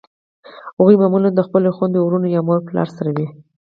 هغوی معمولأ د خپلو خویندو ورونو یا مور پلار سره وي.